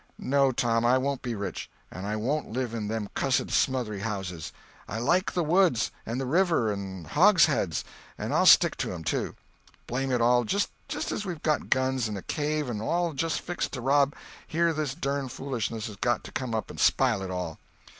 No, Tom, I won't be rich, and I won't live in them cussed smothery houses. I like the woods, and the river, and hogsheads, and I'll stick to 'em, too. Blame it all! just as we'd got guns, and a cave, and all just fixed to rob, here this dern foolishness has got to come up and spile it all!"